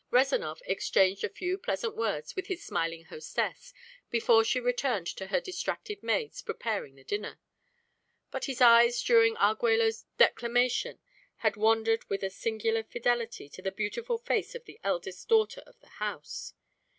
Rezanov exchanged a few pleasant words with his smiling hostess before she returned to her distracted maids preparing the dinner; but his eyes during Arguello's declamation had wandered with a singular fidelity to the beautiful face of the eldest daughter of the house.